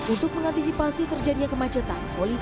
untuk mengantisipasi terjadinya kemacetan